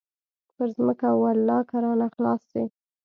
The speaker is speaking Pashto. پر ځمكه ولله كه رانه خلاص سي.